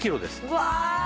うわ！